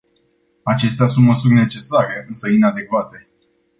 Acestea sunt măsuri necesare, însă inadecvate.